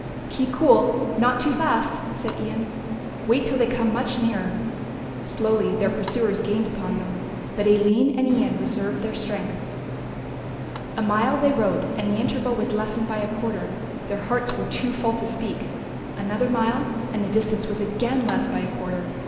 "Keep cool, not too fast," said Ian, "wait till they come much nearer." Slowly their pursuers gained upon them, but Aline and Ian reserved their strength. A mile they rode and the interval was lessened by a quarter; their hearts were too full to speak; another mile and the distance was again less by a quarter.